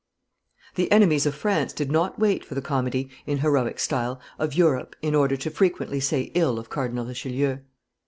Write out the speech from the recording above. The enemies of France did not wait for the comedy, in heroic style, of Europe in order to frequently say ill of Cardinal Richelieu.